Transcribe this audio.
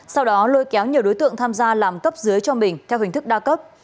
sau đó lôi kéo nhiều đối tượng tham gia làm cấp dưới cho mình theo hình thức đa cấp